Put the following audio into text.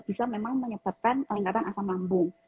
bisa memang menyebabkan peningkatan asam lambung